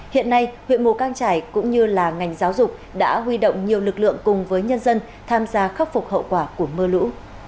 hiện nay huyện mù căng trải cũng như là ngành giáo dục đã huy động nhiều lực lượng cùng với nhân dân tham gia khắc phục hậu quả của mưa lũ